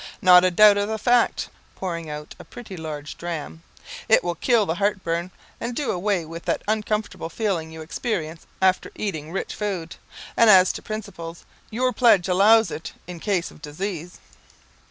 "Not a doubt of the fact" (pouring out a pretty large dram); "it will kill the heartburn, and do away with that uncomfortable feeling you experience after eating rich food. And as to principles, your pledge allows it in case of disease."